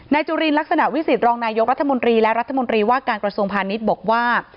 จุลินลักษณะวิสิตรองนายกรัฐมนตรีและรัฐมนตรีว่าการกระทรวงพาณิชย์บอกว่า